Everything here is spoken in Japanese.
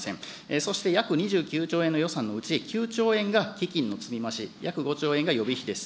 そして約２９兆円の予算のうち、９兆円が基金の積み増し、約５兆円が予備費です。